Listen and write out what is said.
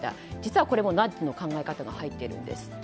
実は、これもナッジの考え方が入っているんです。